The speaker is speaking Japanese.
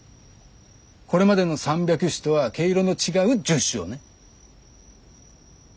これまでの３００首とは毛色の違う１０首をね。